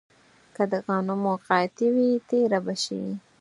که د غنمو قحطي وي، تېره به شي.